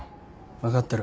分かってる。